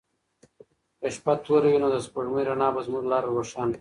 که شپه توره وي نو د سپوږمۍ رڼا به زموږ لاره روښانه کړي.